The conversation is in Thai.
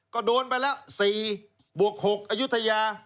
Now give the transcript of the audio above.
ก็โดนไปแล้ว๔บวก๖อายุทยา